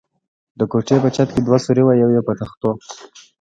د کوټې په چت کې دوه سوري و، یو یې په تختو.